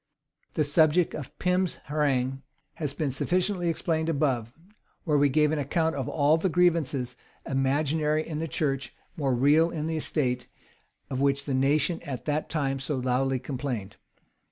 The subject of Pym's harangue has been sufficiently explained above; where we gave an account of all the grievances, imaginary in the church, more real in the state, of which the nation at that time so loudly complained.